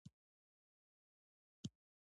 بصرې ښار ته روان شو.